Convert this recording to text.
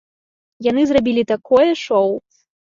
Яны зрабілі такое шоў.